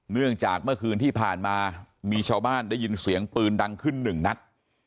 เนื่องจากเมื่อคืนที่ผ่านมามีชาวบ้านได้ยินเสียงปืนดังขึ้นหนึ่งนัด